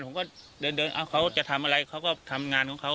ผมก็เดินเขาจะทำอะไรเขาก็ทำงานของเขา